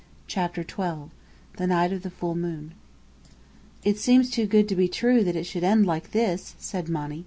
CHAPTER XII THE NIGHT OF THE FULL MOON "It seems too good to be true that it should end like this," said Monny.